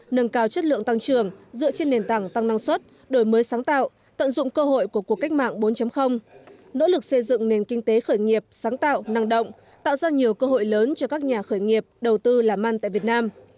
nâng cao chất lượng tăng trưởng dựa trên nền tảng tăng năng suất đổi mới sáng tạo tận dụng cơ hội của cuộc cách mạng bốn nỗ lực xây dựng nền kinh tế khởi nghiệp sáng tạo năng động tạo ra nhiều cơ hội lớn cho các nhà khởi nghiệp đầu tư làm ăn tại việt nam